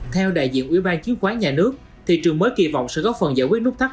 theo đại diện ủy ban chứng khoán nhà nước thị trường mới kỳ vọng sẽ góp phần giải quyết nút thắt